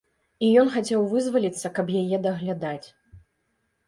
І ён хацеў вызваліцца, каб яе даглядаць.